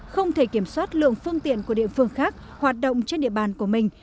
vì kiểm soát lượng phương tiện của địa phương khác hoạt động trên địa bàn của mình